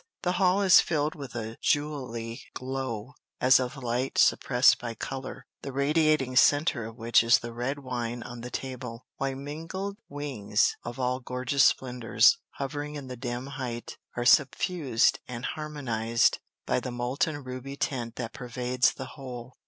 The hall is filled with a jewelly glow, as of light suppressed by color, the radiating centre of which is the red wine on the table; while mingled wings, of all gorgeous splendors, hovering in the dim height, are suffused and harmonized by the molten ruby tint that pervades the whole.